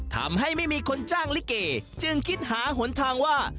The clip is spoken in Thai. ทำให้ไม่มีคนจ้างลิเกจึงคิดหาหนทางว่า